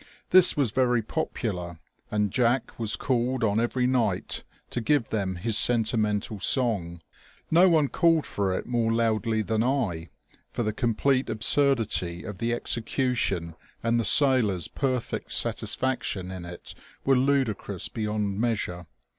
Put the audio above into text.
This was very popular, and Jack was called on every night to give them his sentimental song. No one called for it more loudly than I, for the complete absurdity of the execution and the sailor's perfect satisfaction in it were ludicrous beyond measure."